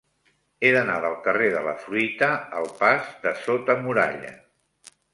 He d'anar del carrer de la Fruita al pas de Sota Muralla.